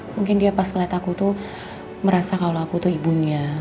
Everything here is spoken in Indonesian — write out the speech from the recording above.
mungkin dia pas kelihatan aku tuh merasa kalau aku tuh ibunya